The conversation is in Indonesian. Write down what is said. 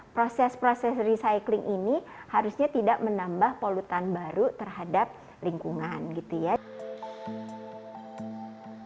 proses proses recycling ini harusnya tidak menambah polutan baru terhadap lingkungan gitu ya